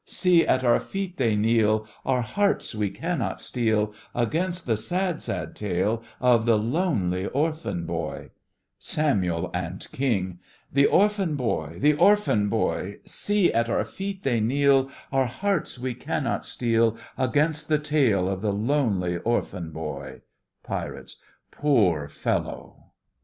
See at our feet they kneel; Our hearts we cannot steel Against the sad, sad tale of the lonely orphan boy! SAMUEL: The orphan boy! add KING: The orphan boy! See at our feet they kneel; Our hearts we cannot steel Against the tale of the lonely orphan boy! PIRATES: Poor fellow!